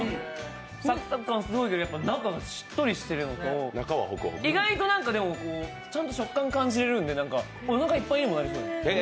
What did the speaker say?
サクサク感すごいけど中がしっとりしてるのと、意外とちゃんと食感感じるので、おなかいっぱいにもなりそうです。